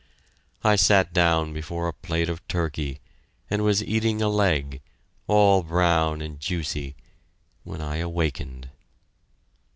I sat down before a plate of turkey, and was eating a leg, all brown and juicy when I awakened.